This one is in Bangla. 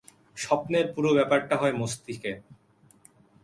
স্বপ্নের পুরো ব্যাপারটা হয় মস্তিকে।